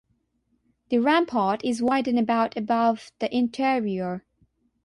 The rampart is wide and about above the interior.